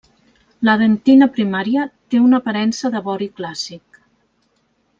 La dentina primària té una aparença de vori clàssic.